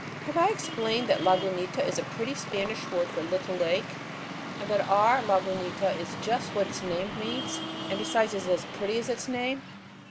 Have I explained that Lagunita is a pretty Spanish word for "little lake," and that our Lagunita is just what its name means, and besides is as pretty as its name?